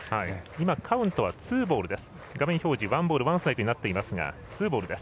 今、カウントはツーボールです。